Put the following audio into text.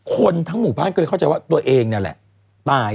คนทั้งหมู่บ้านเคยเข้าใจว่าตัวเองนี่แหละตาย